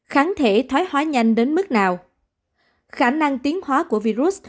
kháng thể thoái hóa nhanh đến mức nào khả năng tiến hóa của virus